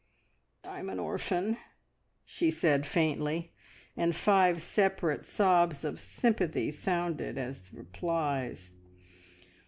"I'm an orphan!" she said faintly, and five separate sobs of sympathy sounded as replies.